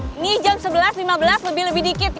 ini jam sebelas lima belas lebih lebih dikit